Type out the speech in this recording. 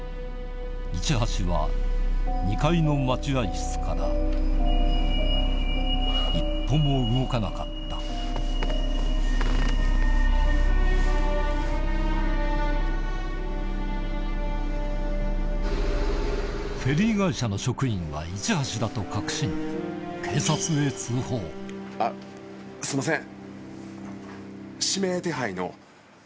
市橋は２階の待合室からフェリー会社の職員は市橋だと確信あっすんません。